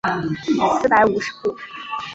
四百五十户。